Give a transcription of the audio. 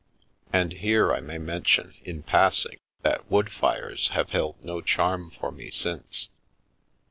(And here I may mention, in passing, that wood fires have held no charm for me since.